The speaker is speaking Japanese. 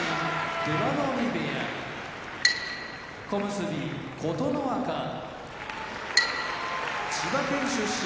出羽海部屋小結・琴ノ若千葉県出身